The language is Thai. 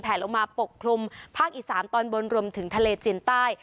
ลงมาปกคลุมภาคอีสานตอนบนรวมถึงทะเลจีนใต้